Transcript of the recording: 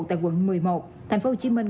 tại quận một mươi một thành phố hồ chí minh